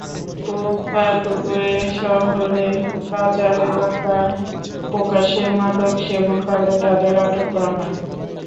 বুধবার দুপুরে শহরের বাজার এলাকায় প্রকাশ্যে মাদক সেবনকালে তাঁদের আটক করা হয়।